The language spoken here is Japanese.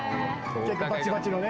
結構バチバチのね。